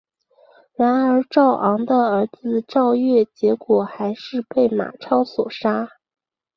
然而赵昂的儿子赵月结果还是被马超所杀。